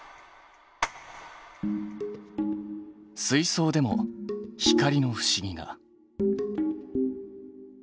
水槽でも光の不思議が。